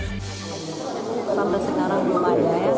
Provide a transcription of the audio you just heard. sampai sekarang belum ada ya